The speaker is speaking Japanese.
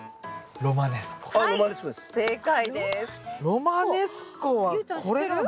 ロマネスコはこれなんだ。